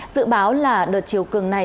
dự báo là đợt chiều cường này